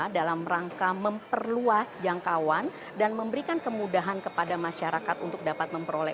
dalam rangka memperluas jangkauan dan memberikan kemudahan kepada masyarakat untuk dapat memperoleh